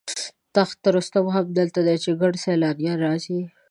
تخت رستم هم دلته دی چې ګڼ سیلانیان راځي.